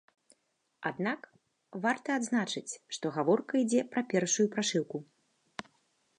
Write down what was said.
Аднак, варта адзначыць, што гаворка ідзе пра першую прашыўку.